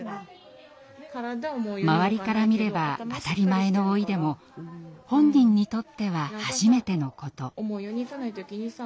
周りから見れば当たり前の老いでも本人にとっては初めてのこと。